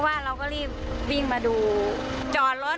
มันเป็นแบบที่สุดท้าย